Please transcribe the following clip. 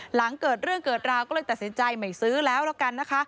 หลังเกิดเรื่องเกิดราวก็เลยตัดสินใจไม่ซื้อแล้วแล้วกันนะคะ